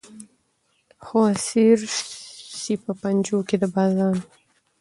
خو اسیر سي په پنجو کي د بازانو